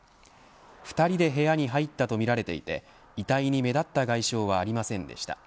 ２人で部屋に入ったとみられていて遺体に目立った外傷はありませんでした。